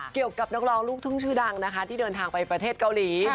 เกี่ยวกับนักร้องลูกทุ่งชื่อดังนะคะที่เดินทางไปประเทศเกาหลี